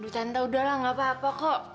tante sudah lah tidak apa apa kok